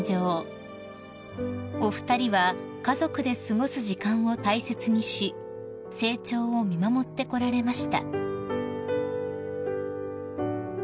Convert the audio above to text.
［お二人は家族で過ごす時間を大切にし成長を見守ってこられました］